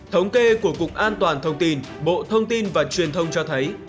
thống kê của cục an toàn thông tin bộ thông tin và truyền thông cho thấy